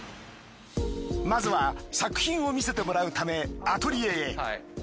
まずは作品を見せてもらうためアトリエへ。